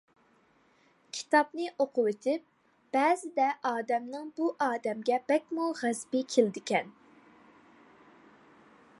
كىتابنى ئوقۇۋېتىپ، بەزىدە ئادەمنىڭ بۇ ئادەمگە بەكمۇ غەزىپى كېلىدىكەن.